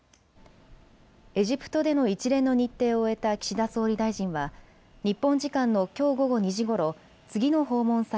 エジプトでの一連の日程を終えた岸田総理大臣は日本時間のきょう午後２時ごろ、次の訪問先